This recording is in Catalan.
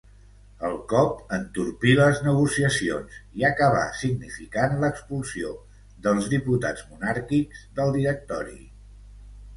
El cop entorpí les negociacions i acabà significant l'expulsió dels diputats monàrquics del Directori.